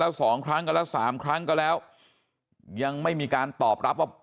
แล้วสองครั้งกันแล้วสามครั้งก็แล้วยังไม่มีการตอบรับว่า